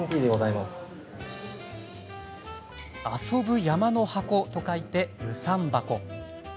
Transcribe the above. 遊ぶ山の箱と書いて遊山箱。